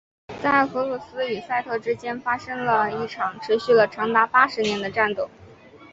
在荷鲁斯与赛特之间发生了一场持续了长达八十年的战斗。